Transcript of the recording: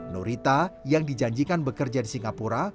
norita yang dijanjikan bekerja di singapura